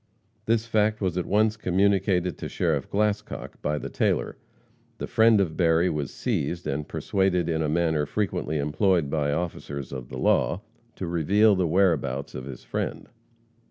This fact was at once communicated to Sheriff Glascock by the tailor. The friend of Berry was seized, and persuaded in a manner frequently employed by officers of the law, to reveal the whereabouts of his friend.